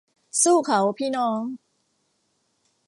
สู้เขาพี่น้อง